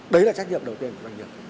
đấy là trách nhiệm đầu tiên của doanh nghiệp